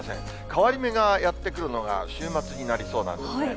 変わり目がやって来るのが週末になりそうなんですね。